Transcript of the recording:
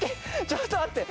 ちょっと待って。